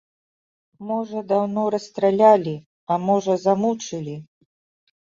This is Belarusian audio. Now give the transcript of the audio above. Можа, даўно расстралялі, а можа, замучылі?